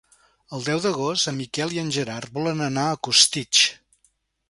El deu d'agost en Miquel i en Gerard volen anar a Costitx.